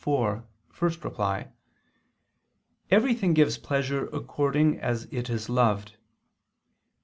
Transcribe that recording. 4, ad 1), everything gives pleasure according as it is loved.